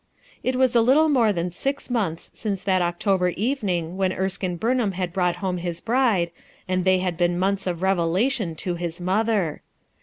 It was a little more than six months fcinee that October evening when Erskine fturnhnm bad brought home his bride, and they had been months of revelation to his mother.